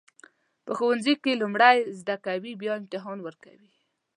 په ښوونځي کې لومړی زده کوئ بیا امتحان ورکوئ.